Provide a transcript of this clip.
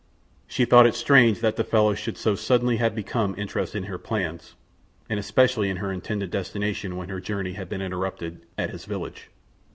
She thought it strange that the fellow should so suddenly have become interested in her plans, and especially in her intended destination when her journey had been interrupted at his village.